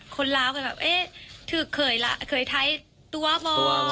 คนราวก็แบบเอ๊ะเธอเคยไทยตัวบอ